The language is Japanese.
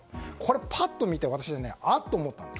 パッと見て私はあっと思ったんです。